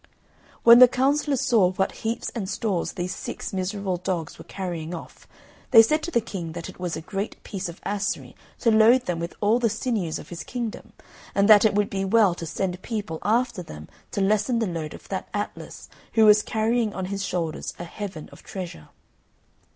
When the councillors saw what heaps and stores these six miserable dogs were carrying off, they said to the King that it was a great piece of assery to load them with all the sinews of his kingdom, and that it would be well to send people after them to lessen the load of that Atlas who was carrying on his shoulders a heaven of treasure.